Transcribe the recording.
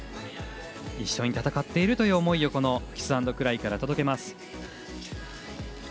一緒に戦っているという思いをキスアンドクライから届けます。